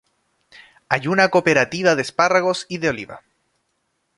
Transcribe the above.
Hay una cooperativa de espárragos y de oliva.